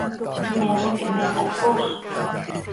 ¿Meenim quih me tahcooz?